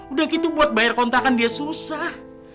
udah gitu buat bayar kontrakan dia susah